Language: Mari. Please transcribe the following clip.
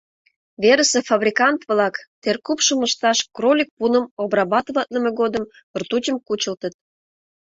Верысе фабрикант-влак теркупшым ышташ кролик пуным обрабатыватлыме годым ртутьым кучылтыт.